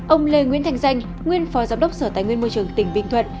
ông lê nguyễn thành danh nguyên phó giám đốc sở tài nguyên môi trường tỉnh bình thuận